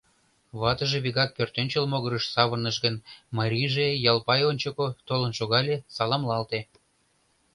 Ватыже вигак пӧртӧнчыл могырыш савырныш гын, марийже Ялпай ончыко толын шогале, саламлалте: